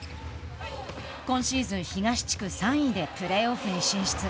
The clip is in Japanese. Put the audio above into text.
今シーズン、東地区３位でプレーオフに進出。